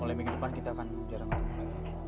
mulai minggu depan kita akan jarang ketemu lagi